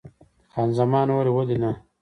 خان زمان وویل: ولې نه؟